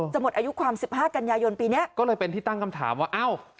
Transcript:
หมดอายุความ๑๕กันยายนปีนี้ก็เลยเป็นที่ตั้งคำถามว่าเอ้า